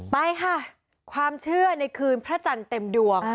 ไปค่ะความเชื่อในคืนพระจันทร์เต็มดวง